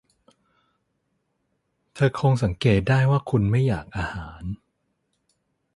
เธอคงสังเกตได้ว่าคุณไม่อยากอาหาร